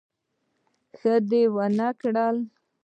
ښه دي ونکړه